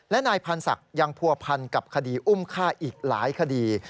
และนายพันธ์ศักดิ์ยังผัวพันกับคดีอุ้มฆ่าอีกหลายคดี